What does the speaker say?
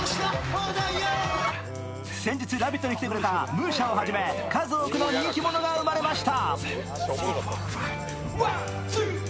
先日、「ラヴィット！」に来てくれたムーシャをはじめ、数多くの人気者が生まれました。